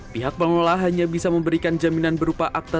pihak pengelola hanya bisa memberikan jaminan berupa akta